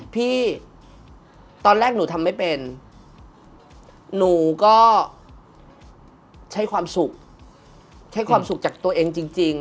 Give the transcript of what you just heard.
พี่ตอนแรกหนูทำไม่เป็นหนูก็ใช้ความสุขใช้ความสุขจากตัวเองจริง